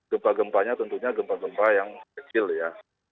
gempa gempanya tentunya gempa gempa yang kecil ya